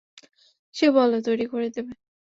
সে বলল, তৈরি করে দেবে।